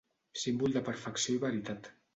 Símbol de perfecció i veritat.